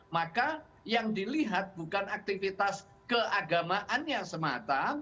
maka yang dilihat bukan aktivitas keagamaan yang semata